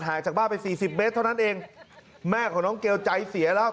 จากบ้านไปสี่สิบเมตรเท่านั้นเองแม่ของน้องเกลใจเสียแล้ว